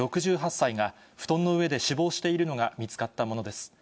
６８歳が、布団の上で死亡しているのが見つかったものです。